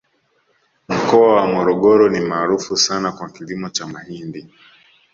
mkoa wa morogoro ni maarufu sana kwa kilimo cha mahindi